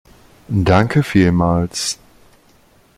Danke vielmals!